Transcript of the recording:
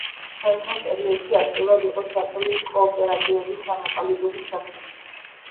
შემდგომ პერიოდში აქტიურად იყო ჩართული კოოპერატივების ჩამოყალიბების საქმეში.